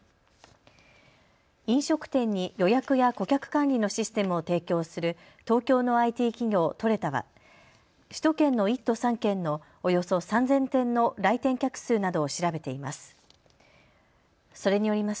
飲食店に予約や顧客管理のシステムを提供する東京のＩＴ企業、トレタは首都圏の１都３県のおよそ３０００店の来店客数などを調べています。